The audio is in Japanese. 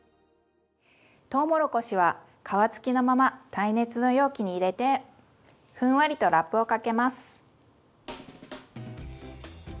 とうもろこしは皮付きのまま耐熱の容器に入れてふんわりとラップをかけます。